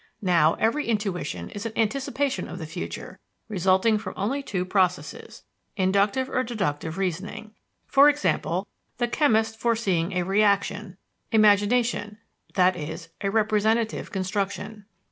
Now, every intuition is an anticipation of the future, resulting from only two processes: inductive or deductive reasoning, e.g., the chemist foreseeing a reaction; imagination, i.e., a representative construction.